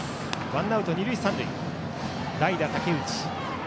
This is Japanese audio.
ワンアウト、二塁三塁で代打、竹内。